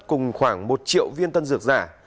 cùng khoảng một triệu viên tân dược giả